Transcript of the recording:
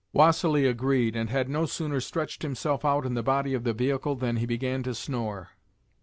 Vassili agreed, and had no sooner stretched himself out in the body of the vehicle than he began to snore.